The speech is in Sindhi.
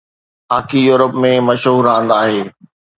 هاڪي يورپ ۾ مشهور راند آهي